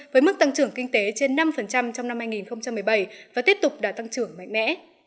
với mức tăng trưởng kinh tế trên năm trong năm hai nghìn một mươi bảy và tiếp tục đã tăng trưởng mạnh mẽ